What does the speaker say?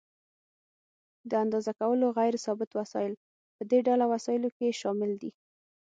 ج: د اندازه کولو غیر ثابت وسایل: په دې ډله وسایلو کې شامل دي.